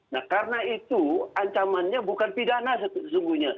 nah karena itu ancamannya bukan pidana sesungguhnya